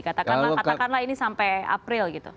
katakanlah katakanlah ini sampai april gitu